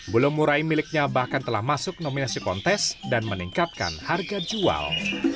bulu murai miliknya bahkan telah masuk nominasi kontes dan meningkatkan harga jual